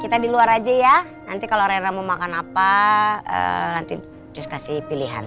kita di luar aja ya nanti kalau rera mau makan apa nanti just kasih pilihan